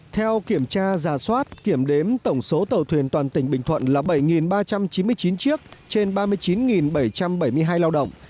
theo kiểm tra giả soát kiểm đếm tổng số tàu thuyền toàn tỉnh bình thuận là bảy ba trăm chín mươi chín chiếc trên ba mươi chín bảy trăm bảy mươi hai lao động